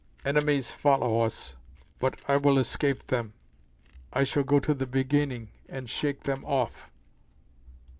"Enemies follow us. But I will escape them. I shall go to the Beginning, and shake them off."